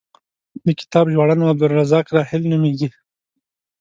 د کتاب ژباړن عبدالرزاق راحل نومېږي.